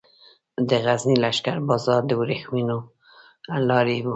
د غزني لښکر بازار د ورېښمو لارې و